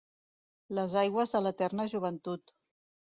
Les aigües de l’eterna joventut.